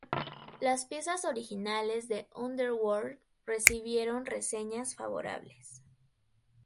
Las piezas originales de Underworld recibieron reseñas favorables.